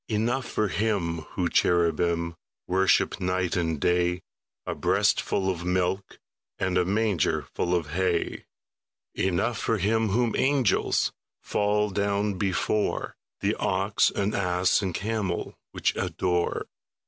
Enough for Him whom cherubim Worship night and day, A breastful of milk And a mangerful of hay; Enough for Him whom angels Fall down before, The ox and ass and camel Which adore.